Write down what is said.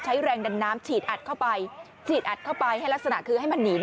ใช้แรงดันน้ำฉีดอัดเข้าไป